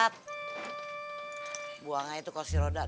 kembali rumah diturut nuestra